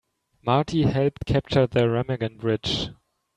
Marty helped capture the Remagen Bridge.